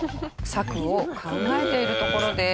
策を考えているところです。